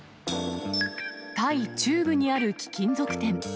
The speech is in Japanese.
タイ中部にある貴金属店。